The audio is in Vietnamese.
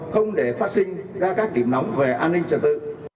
không để phát sinh ra các điểm nóng về an ninh trật tự